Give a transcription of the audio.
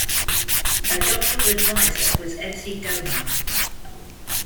Her doctoral advisor was Evsey Domar.